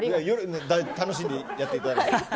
楽しんでやっていただいて。